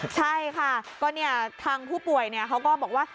ใช่ค่ะก็เนี่ยทางผู้ป่วยเขาก็บอกว่า